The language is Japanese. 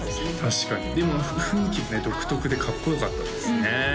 確かにでもね雰囲気もね独特でかっこよかったですね